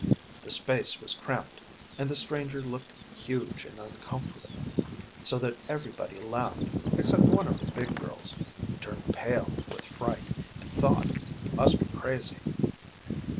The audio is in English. The space was cramped, and the stranger looked huge and uncomfortable, so that everybody laughed, except one of the big girls, who turned pale with fright, and thought he must be crazy.